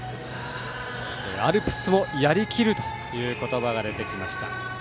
アルプスもやりきるという言葉が出てきました。